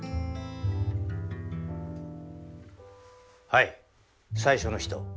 はい最初の人。